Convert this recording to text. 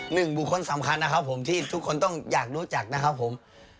หนึ่งบุคคลสำคัญนะครับผมที่ทุกคนต้องอยากรู้จักนะครับผม